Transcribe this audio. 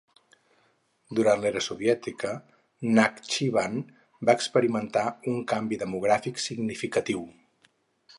Durant l'era soviètica, Nakhchivan va experimentar un canvi demogràfic significatiu.